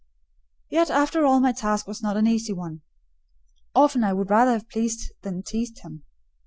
Yet after all my task was not an easy one; often I would rather have pleased than teased him.